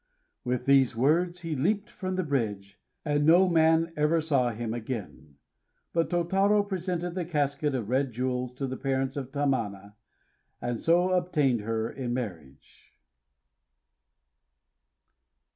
With these words he leaped from the bridge; and no man ever saw him again. But Tôtarô presented the casket of red jewels to the parents of Tamana, and so obtained her in marriage.